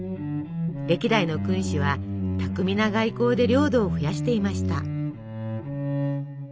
歴代の君主は巧みな外交で領土を増やしていました。